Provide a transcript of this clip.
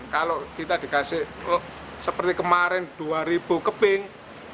kalau kita dikasih seperti kemarin dua ribu keping